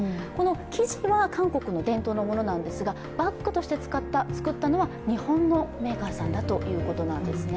生地は韓国の伝統のものだそうなんですがバッグとして作ったのは日本のメーカーさんなんだということなんですね。